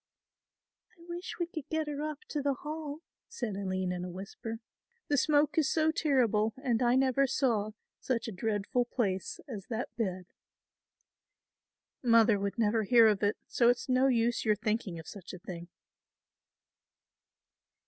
"I wish we could get her up to the Hall," said Aline in a whisper, "the smoke is so terrible and I never saw such a dreadful place as that bed." "Mother would never hear of it; so it's no use your thinking of such a thing."